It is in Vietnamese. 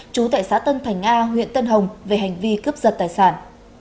trú tại xã tân thành a huyện tân hồng về hành vi cướp giật tài sản